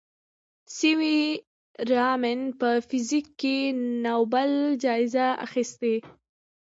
سي وي رامن په فزیک کې نوبل جایزه اخیستې.